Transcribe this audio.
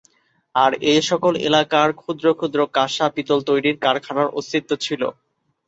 আর এ সকল এলাকার ক্ষুদ্র ক্ষুদ্র কাঁসা-পিতল তৈরীর কারখানার অস্তিত্ব ছিল।